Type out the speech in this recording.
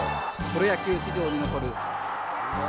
プロ野球史上に残る。